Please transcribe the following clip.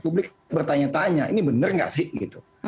publik bertanya tanya ini bener gak sih gitu